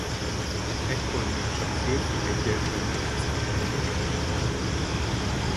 Ekkor még csak férfi egyesben rendeztek bajnokságot.